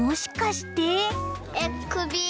くび！